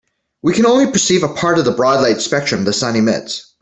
We can only perceive a part of the broad light spectrum the sun emits.